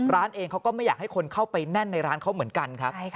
ร้านเองเขาก็ไม่อยากให้คนเข้าไปแน่นในร้านเขาเหมือนกันครับ